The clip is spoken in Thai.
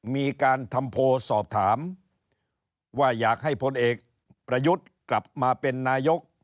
มีการทำโพลสอบถามว่าอยากให้พลเอกประยุทธ์กลับมาเป็นนายก